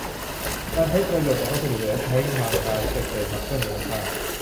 การใช้ประโยชน์จากวัสดุเหลือใช้ทางการเกษตรมาเพิ่มมูลค่า